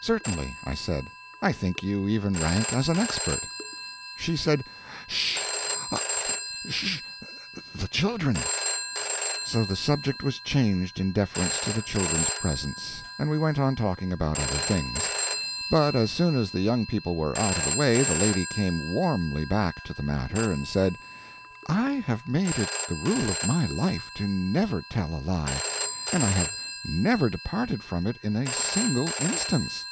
"Certainly," I said, "I think you even rank as an expert." She said, "'Sh! 'sh! the children!" So the subject was changed in deference to the children's presence, and we went on talking about other things. But as soon as the young people were out of the way, the lady came warmly back to the matter and said, "I have made it the rule of my life to never tell a lie; and I have never departed from it in a single instance."